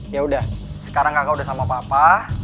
yaudah sekarang kakak udah sama papa